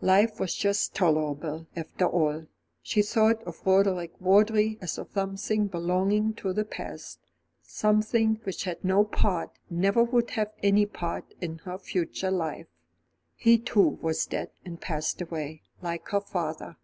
Life was just tolerable, after all. She thought of Roderick Vawdrey as of something belonging to the past; something which had no part, never would have any part, in her future life. He too was dead and passed away, like her father.